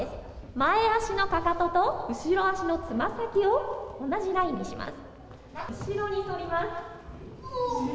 前足のかかとと後ろ足のつま先を同じラインにします。